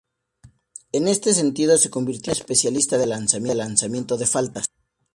En ese sentido, se convirtió en un especialista del lanzamiento de faltas.